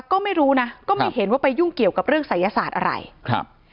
ก็ไม่รู้นะก็ไม่เห็นว่าไปยุ่งเกี่ยวกับเรื่องศัยศาสตร์อะไรครับ